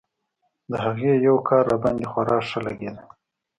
د هغې يو کار راباندې خورا ښه لګېده.